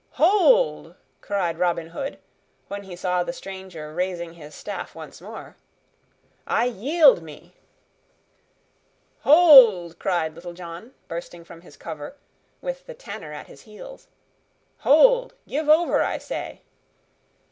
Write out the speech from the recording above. "Hold!" cried Robin Hood, when he saw the stranger raising his staff once more. "I yield me!" "Hold!" cried Little John, bursting from his cover, with the Tanner at his heels. "Hold! give over, I say!"